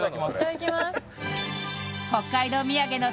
いただきます